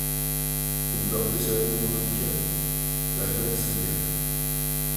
ئۇنداق دېسەكمۇ بولىدىكەن. رەھمەت سىزگە!